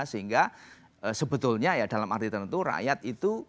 sehingga sebetulnya ya dalam arti tertentu rakyat itu